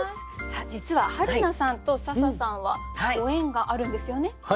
実ははるなさんと笹さんはご縁があるんですよね？